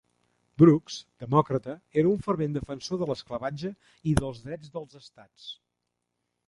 Brooks, demòcrata, era un fervent defensor de l'esclavatge i dels drets dels estats.